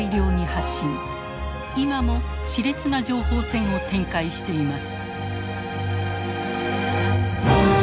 今もしれつな情報戦を展開しています。